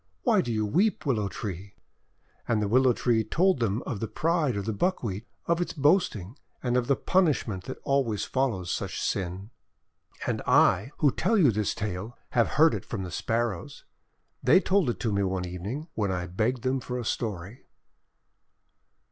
Why do you weep, Willow Tree ?': And the Willow Tree told them of the pride of the Buckwheat, of its boasting, and of the punishment that always follows such sin. And I who tell you this tale have heard it from the Sparrows. They told it to me one evening, when I begged them for a story.